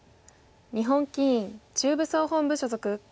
日本棋院中部総本部所属。